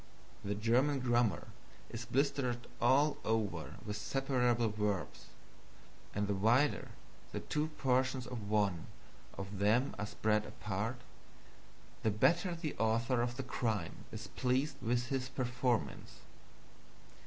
The German grammar is blistered all over with separable verbs; and the wider the two portions of one of them are spread apart, the better the author of the crime is pleased with his performance.